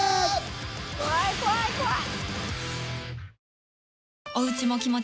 怖い怖い怖い。